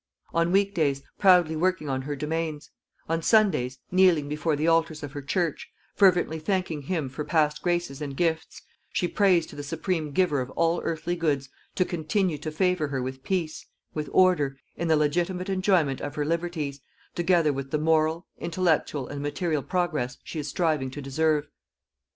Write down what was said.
On week days, proudly working on her domains; on Sundays, kneeling before the Altars of her Church, fervently thanking Him for past graces and gifts, she prays to the Supreme Giver of all earthly goods to continue to favour her with peace, with order, in the legitimate enjoyment of her liberties, together with the moral, intellectual and material progress she is striving to deserve.